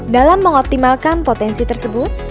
dalam mengoptimalkan potensi tersebut